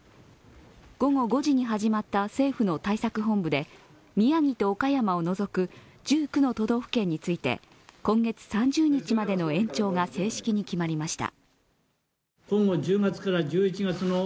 午後５時に始まった政府の対策本部で宮城と岡山を除く１９の都道府県について今月３０日までの延長が正式に決まりました。